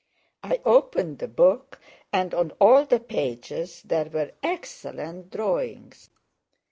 I opened the book, and on all the pages there were excellent drawings.